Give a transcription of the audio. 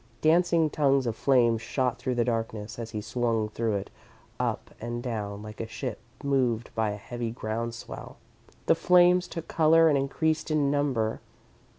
Dancing tongues of flame shot through the darkness, as he swung through it, up and down, like a ship moved by a heavy ground swell. The flames took colour and increased in number.